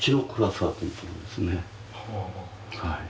はい。